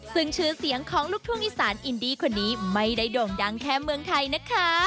ซึ่งชื่อเสียงของลูกทุ่งอีสานอินดี้คนนี้ไม่ได้โด่งดังแค่เมืองไทยนะคะ